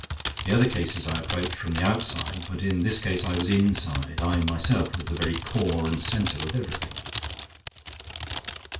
The other cases I approached from the outside, but in this case I was inside. I myself was the very core and center of everything."